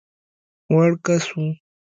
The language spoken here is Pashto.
وړ کس وو.